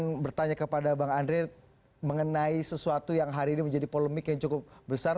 saya ingin bertanya kepada bang andre mengenai sesuatu yang hari ini menjadi polemik yang cukup besar